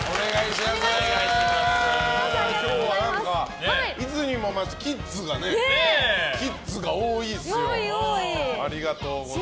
今日は、いつにも増してキッズが多いですよ。